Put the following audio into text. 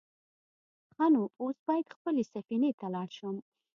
_ښه نو، اوس بايد خپلې سفينې ته لاړ شم.